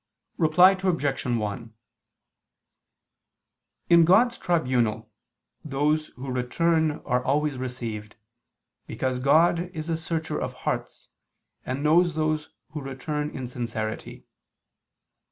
Reply Obj. 1: In God's tribunal, those who return are always received, because God is a searcher of hearts, and knows those who return in sincerity.